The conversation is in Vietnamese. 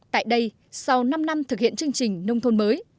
tại đây sau năm năm thực hiện chương trình nông thôn mới